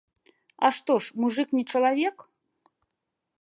А што ж, мужык не чалавек?